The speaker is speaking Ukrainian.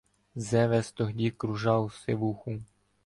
Зевес тогді кружав сивуху